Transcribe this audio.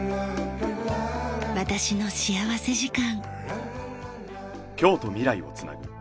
『私の幸福時間』。